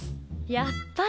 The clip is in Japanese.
やっぱり。